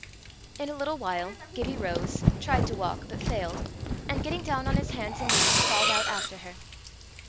In a little while Gibbie rose, tried to walk, but failed, and getting down on his hands and knees, crawled out after her.